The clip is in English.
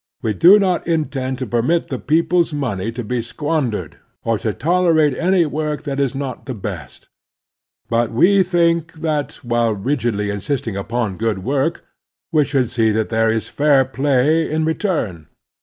We do not intend to permit the people's money to be squandered or to tolerate any work that is not the best. But we think that, while rigidly insisting upon good work, we should see that there is fair play in retiun.